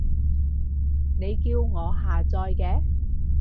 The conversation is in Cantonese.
你叫我下載嘅